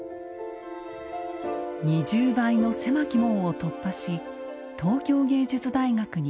２０倍の狭き門を突破し東京藝術大学に現役で入学。